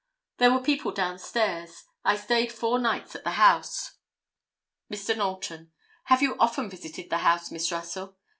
"There were people down stairs. I stayed four nights at the house." Mr. Knowlton—"Have you often visited the house, Miss Russell?"